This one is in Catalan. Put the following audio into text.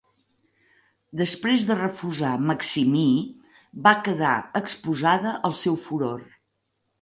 Després de refusar Maximí, va quedar exposada al seu furor.